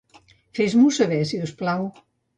Fes-m'ho saber, si us plau.